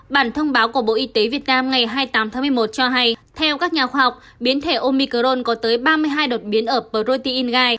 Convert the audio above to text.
bản thông báo của bộ y tế việt nam ngày hai mươi tám tháng một mươi một cho hay theo các nhà khoa học biến thể omicron có tới ba mươi hai đột biến ở protein gai